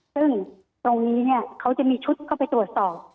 ซึ่งตรงนี้เนี่ยเขาจะมีชุดเข้าไปตรวจสอบ